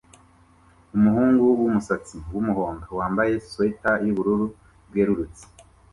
Umuhungu wumusatsi wumuhondo wambaye swater yubururu bwerurutse